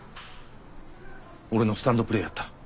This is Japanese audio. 俺のスタンドプレーやった。